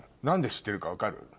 何で知ってるか分かる？